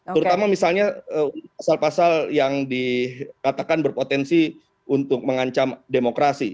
terutama misalnya pasal pasal yang dikatakan berpotensi untuk mengancam demokrasi